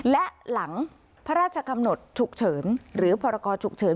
และหลังพระราชกำหนดฉุกเฉินหรือพรกรฉุกเฉิน